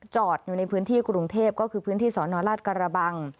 อยู่ในพื้นที่กรุงเทพก็คือพื้นที่สนราชกระบัง